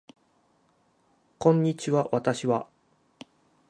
こんにちは私は